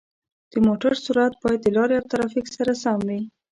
د موټر سرعت باید د لارې او ترافیک سره سم وي.